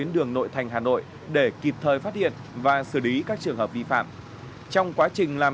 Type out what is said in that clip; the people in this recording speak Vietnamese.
đường nội thành hà nội để kịp thời phát hiện và xử lý các trường hợp vi phạm trong quá trình làm